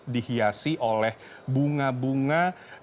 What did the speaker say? dihiasi oleh bunga bunga